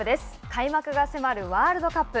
開幕が迫るワールドカップ。